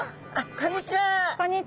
こんにちは。